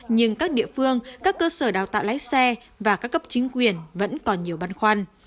nhưng các địa phương các cơ sở đào tạo lái xe và các cấp chính quyền vẫn còn nhiều băn khoăn